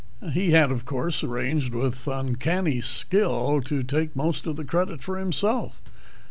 He had, of course, arranged with uncanny skill to take most of the credit for himself.